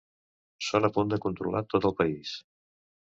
Són a punt de controlar tot el país.